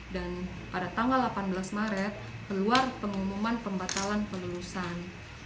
dan pada tanggal delapan belas maret keluar pengumuman pembatalan kelulusan